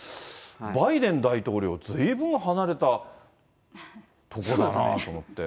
バイデン大統領、ずいぶん離れた所だなぁと思って。